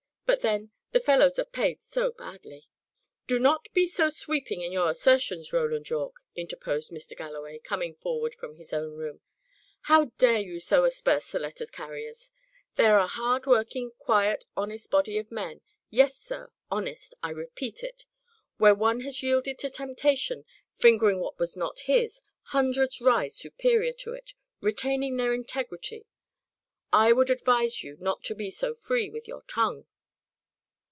But, then, the fellows are paid so badly." "Do not be so sweeping in your assertions, Roland Yorke," interposed Mr. Galloway, coming forward from his own room. "How dare you so asperse the letter carriers? They are a hard working, quiet, honest body of men. Yes, sir; honest I repeat it. Where one has yielded to temptation, fingering what was not his own, hundreds rise superior to it, retaining their integrity. I would advise you not to be so free with your tongue."